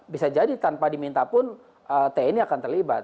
bisa jadi tanpa dimintapun tni akan terlibat